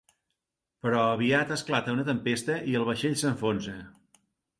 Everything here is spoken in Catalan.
Però aviat esclata una tempesta i el vaixell s'enfonsa.